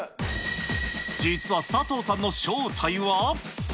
実は佐藤さんの正体は。